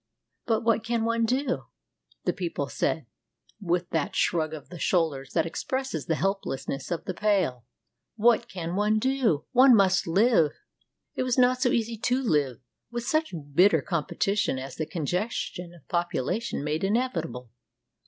"But what can one do?" the people said, with that shrug of the shoulders that expresses the helplessness of the Pale. "What can one do? One must live." 245 RUSSIA It was not so easy to live, with such bitter competi tion as the congestion of population made inevitable.